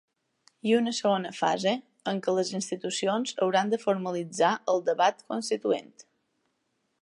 I una segona fase, en què les institucions hauran de formalitzar el debat constituent.